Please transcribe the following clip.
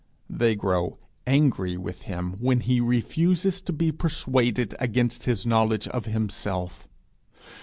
They grow angry with him when he refuses to be persuaded against his knowledge of himself.